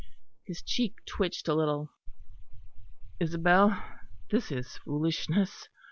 His cheek twitched a little. "Isabel, this is foolishness.